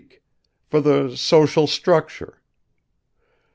.. for the social structure.